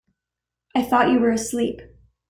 I thought you were asleep.